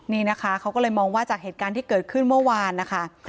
นี่นะคะเขาก็เลยมองว่าจากเหตุการณ์ที่เกิดขึ้นเมื่อวานนะคะ